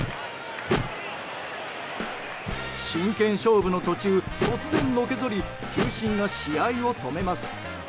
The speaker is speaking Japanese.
真剣勝負の途中、突然のけぞり球審が試合を止めます。